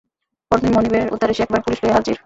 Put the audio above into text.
পরদিন মনিবের উদ্ধারে সে একেবারে পুলিশ লইয়া হাজির!